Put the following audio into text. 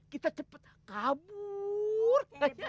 kita cepet kabur